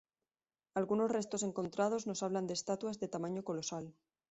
Algunos restos encontrados nos hablan de estatuas de tamaño colosal.